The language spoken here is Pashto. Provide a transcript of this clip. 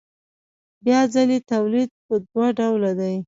بیا ځلي تولید په دوه ډوله دی